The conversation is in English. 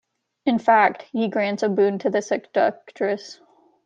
In fact, he grants a boon to the seductress.